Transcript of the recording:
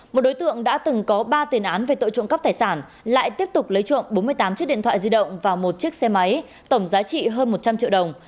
một đối tượng đã từng có ba tiền án về tội trộm cắp tài sản lại tiếp tục lấy trộm bốn mươi tám chiếc điện thoại di động và một chiếc xe máy tổng giá trị hơn một trăm linh triệu đồng